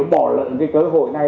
bỏ lận cái cơ hội này